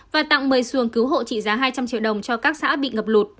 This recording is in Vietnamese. và tặng một mươi xuồng cứu hộ trị giá hai trăm linh triệu đồng cho các xã bị ngập lụt